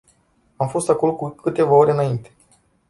Am fost acolo cu câteva ore înainte.